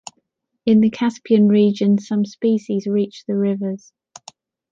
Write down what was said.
In the Caspian region some species reach the rivers.